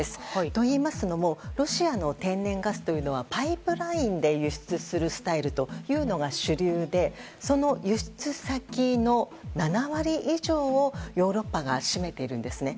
といいますのもロシアの天然ガスというのはパイプラインで輸出するスタイルというのが主流でその輸出先の７割以上をヨーロッパが占めているんですね。